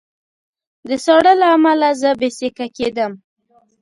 د ساړه له امله زه بې سېکه کېدم